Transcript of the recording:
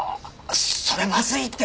それまずいって！